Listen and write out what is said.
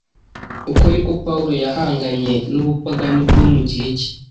Uko niko Pawulo yahanganye n’ubupagani bwo mu gihe cye.